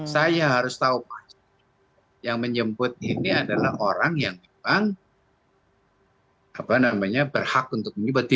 saya harus tahu pak yang menjemput ini adalah orang yang memang apa namanya berhak untuk menjemput